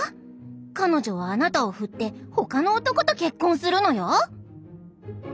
彼女はあなたをふって他の男と結婚するのよ！」。